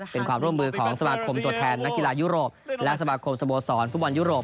เป็นความร่วมมือของสมาคมตัวแทนนักกีฬายุโรปและสมาคมสโมสรฟุตบอลยุโรป